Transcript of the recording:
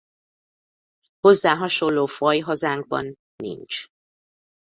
Hozzá hasonló faj hazánkban nincs.